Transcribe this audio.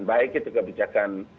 baik itu kebijakan